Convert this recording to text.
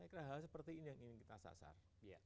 saya kira hal seperti ini yang ingin kita sasar